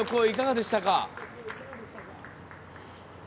いかがでしたか？